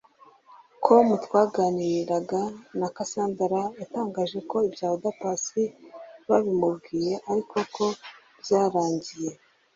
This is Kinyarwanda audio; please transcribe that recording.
com twaganiraga na Cassandra yatangaje ko ibya Oda Paccy babimubwiye ariko ko byararangiye